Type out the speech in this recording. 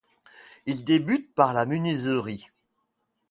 Il débute par la menuiserie.